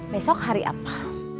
besok hari apa